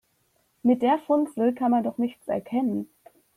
Mit der Funzel kann man doch nichts erkennen.